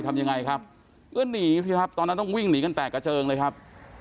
ทำยังไงครับก็หนีสิครับตอนนั้นต้องวิ่งหนีกันแตกกระเจิงเลยครับ